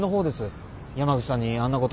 山口さんにあんなこと。